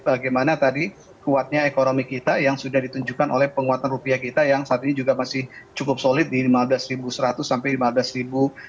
bagaimana tadi kuatnya ekonomi kita yang sudah ditunjukkan oleh penguatan rupiah kita yang saat ini juga masih cukup solid di lima belas seratus sampai rp lima belas